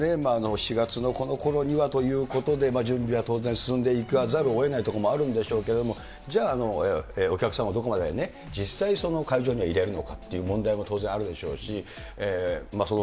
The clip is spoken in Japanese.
７月のこのころにはということで、準備は当然、進んでいかざるをえないところはあると思うんですが、じゃあ、お客さんはどこまでね、実際、会場には入れるのかっていう問題も、当然あるでしょうし。